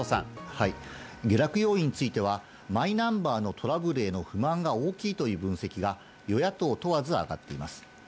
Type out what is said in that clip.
はい、下落要因についてはマイナンバーのトラブルへの不満が大きいという分析が与野党問わず上がっています。